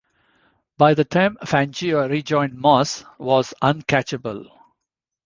By the time Fangio rejoined Moss was un-catchable.